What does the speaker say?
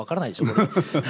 これ。